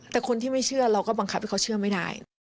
แต่คนที่ไม่เชื่อเราก็บังคับให้เขาเชื่อไม่ได้